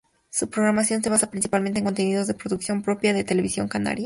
Su programación se basa principalmente en contenidos de producción propia de Televisión Canaria.